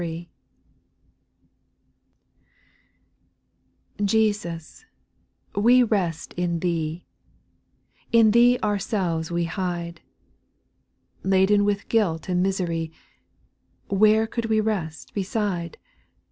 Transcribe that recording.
TESUS, we rest in Thee I V In Thee ourselves we hide ; Laden with guilt and misery, Where could we rest beside